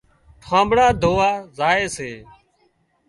ٺانٻڙان ڌووا زائي سي